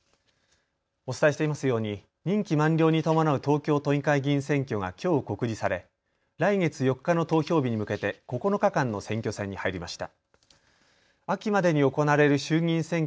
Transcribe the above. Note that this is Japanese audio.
お伝えしていますように任期満了に伴う東京都議会議員選挙がきょう告示され、来月４日の投票日に向けて９日間の選挙戦に入りました。